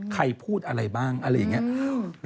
ใครพูดอะไรบ้างอะไรอย่างนี้